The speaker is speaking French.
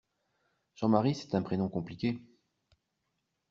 Jean-Marie c'est un prénom compliqué.